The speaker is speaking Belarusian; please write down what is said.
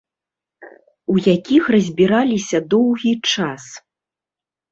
У якіх разбіраліся доўгі час.